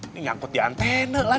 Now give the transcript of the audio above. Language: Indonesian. ini nyangkut di antena lah